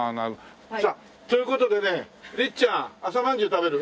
さあという事でね律ちゃん朝まんじゅう食べる？